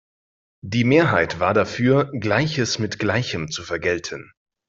Die Mehrheit war dafür, Gleiches mit Gleichem zu vergelten.